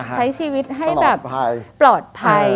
ใช้ชีวิตให้แบบปลอดภัย